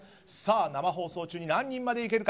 生放送中に何人までいけるか。